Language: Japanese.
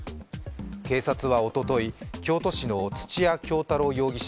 警察はおととい、京都市の土屋京多郎容疑者